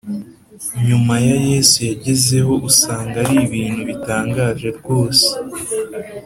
nyuma ya yesu yagezeho usanga ari ibintu bitangaje rwose